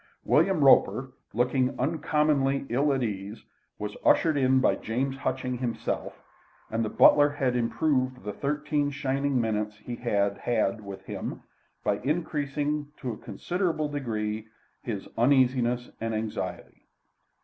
William Roper, looking uncommonly ill at ease, was ushered in by James Hutchings himself, and the butler had improved the thirteen shining minutes he had had with him by increasing to a considerable degree his uneasiness and anxiety.